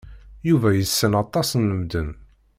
Yuba yessen aṭas n medden.